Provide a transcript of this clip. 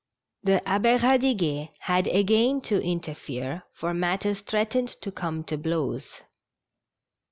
The Abbe Eadiguet had again to interfere, for matters threatened to come to blows.